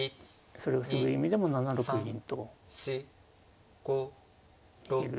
それを防ぐ意味でも７六銀と受ける。